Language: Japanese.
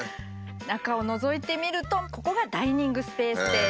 中をのぞいてみるとここがダイニングスペースです。